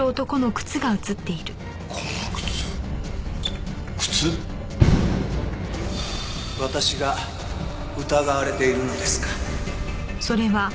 私が疑われているのですか？